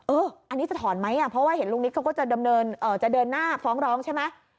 อันนี้จะถอนไหมเพราะว่าเห็นลุงนิดเขาก็จะเดินหน้าฟ้องร้องใช่ไหม